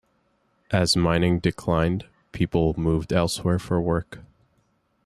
As mining declined, people moved elsewhere for work.